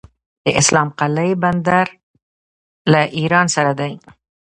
د اسلام قلعه بندر له ایران سره دی